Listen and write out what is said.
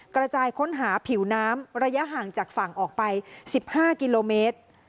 กระจายค้นหาผิวน้ำระยะห่างจากฝั่งออกไป๑๕กิโลเมตร